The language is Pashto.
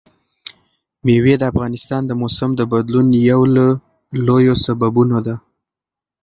مېوې د افغانستان د موسم د بدلون یو له لویو سببونو ده.